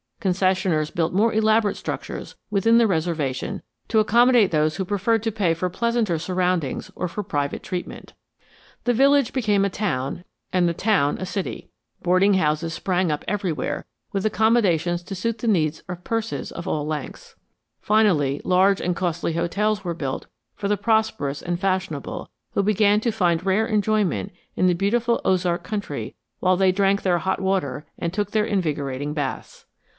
Concessioners built more elaborate structures within the reservation to accommodate those who preferred to pay for pleasanter surroundings or for private treatment. The village became a town and the town a city. Boarding houses sprang up everywhere with accommodations to suit the needs of purses of all lengths. Finally, large and costly hotels were built for the prosperous and fashionable who began to find rare enjoyment in the beautiful Ozark country while they drank their hot water and took their invigorating baths.